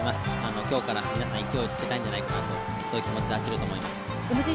今日から皆さん勢いをつけたいんじゃないかなと、そういう気持ちで走ると思います。